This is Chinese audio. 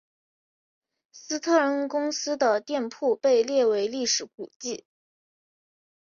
斯特恩公司的店铺被列为历史古迹。